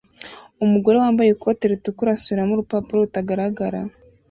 Umugore wambaye ikote ritukura asubiramo urupapuro rutagaragara